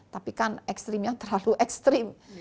tapi kan ekstrimnya terlalu ekstrim